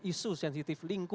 isu sensitif lingkungan